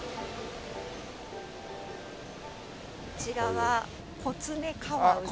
こちらはコツメカワウソです。